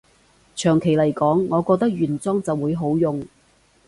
長期來講，我覺得原裝就會好用